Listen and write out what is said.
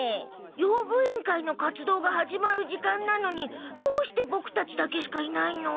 用具委員会の活動が始まる時間なのにどうしてボクたちだけしかいないの？